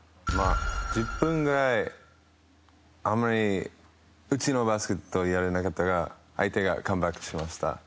１０分くらいあまり、うちのバスケットをやれなかったから相手がカムバックしました。